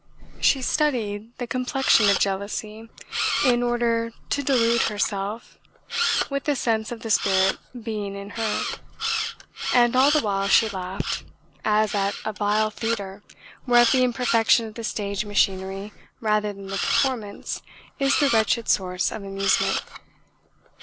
She studied the complexion of jealousy to delude herself with the sense of the spirit being in her, and all the while she laughed, as at a vile theatre whereof the imperfection of the stage machinery rather than the performance is the wretched source of amusement.